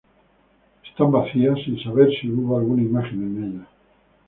Están vacías sin saber si hubo alguna imagen en ellas.